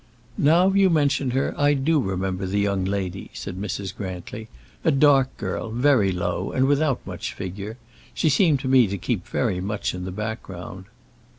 "Now you mention her, I do remember the young lady," said Mrs. Grantly, "a dark girl, very low, and without much figure. She seemed to me to keep very much in the background."